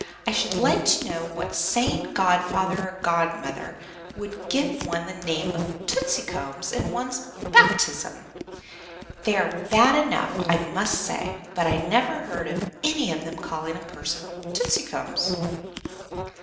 I should like to know what sane godfather or godmother would give one the name of 'Tootsicums' in one's baptism. They are bad enough, I must say; but I never heard of any of them calling a person 'Tootsicums.'"